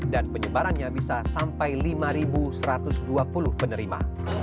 dan penyebarannya bisa sampai lima satu ratus dua puluh penerima